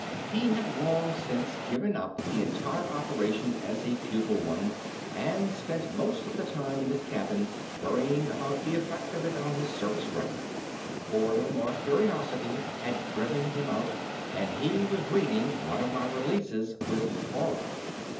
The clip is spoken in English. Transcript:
He had long since given up the entire operation as a futile one, and spent most of the time in his cabin worrying about the affect of it on his service record. Boredom or curiosity had driven him out, and he was reading one of my releases with horror.